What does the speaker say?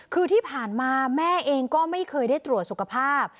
คือที่ผ่านมาแม่เองก็ไม่เคยได้ตรวจสุขภาพ